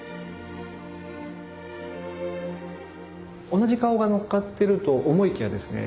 同じ顔がのっかってると思いきやですね